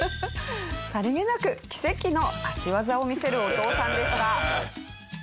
さりげなく奇跡の足技を見せるお父さんでした。